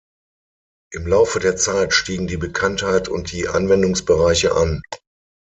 Im Laufe der Zeit stiegen die Bekanntheit und die Anwendungsbereiche an.